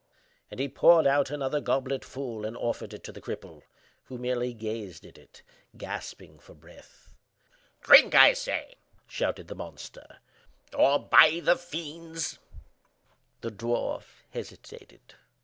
and he poured out another goblet full and offered it to the cripple, who merely gazed at it, gasping for breath. "Drink, I say!" shouted the monster, "or by the fiends—" The dwarf hesitated.